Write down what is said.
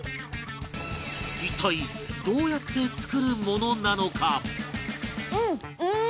一体どうやって作るものなのか？